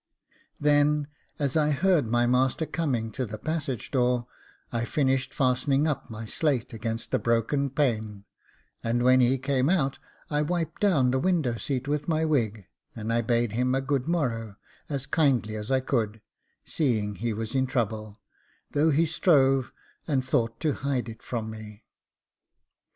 Then as I heard my master coming to the passage door, I finished fastening up my slate against the broken pane; and when he came out I wiped down the window seat with my wig, I and bade him a 'good morrow' as kindly as I could, seeing he was in trouble, though he strove and thought to hide it from me.